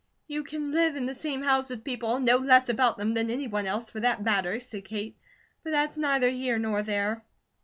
"You can live in the same house with people and know less about them than any one else, for that matter," said Kate, "but that's neither here nor there.